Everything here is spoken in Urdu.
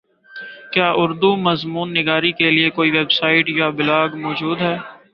کیا اردو مضمون نگاری کیلئے کوئ ویبسائٹ یا بلاگ موجود ہے